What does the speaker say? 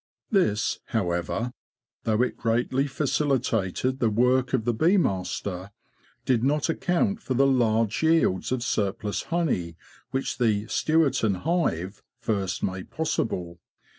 This, however, though it greatly facilitated the work of the bee master, did not account for the large yields of surplus 'honey, which the "Stewarton '' hive first made possible.